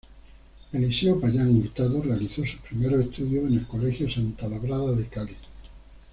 Eliseo Payán Hurtado realizó sus primeros estudios en el Colegio Santa Librada de Cali.